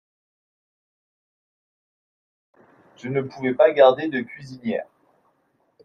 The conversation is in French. Je ne pouvais pas garder de cuisinières.